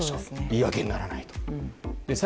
言い訳にならないです。